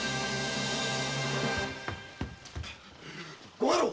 ご家老！